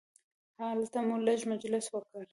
هلته مو لږ مجلس وکړ.